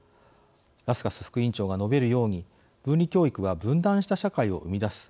ラスカス副委員長が述べるように分離教育は分断した社会を生み出す。